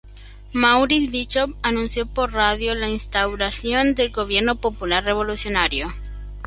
Maurice Bishop anunció por radio la instauración del Gobierno Popular Revolucionario.